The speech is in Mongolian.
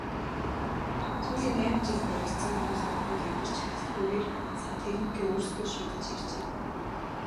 Сүүлийн найман жилд баригдсан орон сууцнууд ямар ч хяналтгүйгээр сантехникээ өөрсдөө шийдэж иржээ.